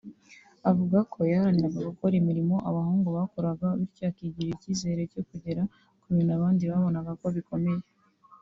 avuga ko yaharaniraga gukora imirimo abahungu bakoraga bityo akigirira icyizere cyo kugera ku bintu abandi babonaga ko bikomeye